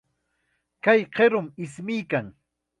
Kay qirum ismuykan.